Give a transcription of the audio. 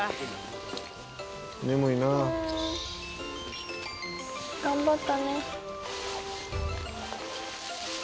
「眠いな」「頑張ったね」